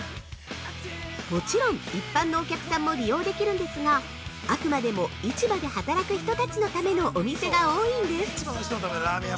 もちろん、一般のお客さんも利用できるんですが、あくまでも市場で働く人たちのためのお店が多いんです！